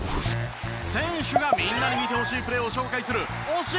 選手がみんなに見てほしいプレーを紹介する推し